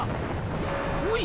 おい！